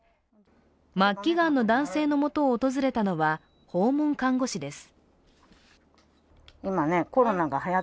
末期がんの男性のもとを訪れたのは訪問看護師です。